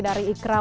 dari ikram marki